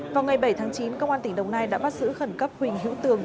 vào ngày bảy tháng chín công an tỉnh đồng nai đã bắt giữ khẩn cấp huỳnh hữu tường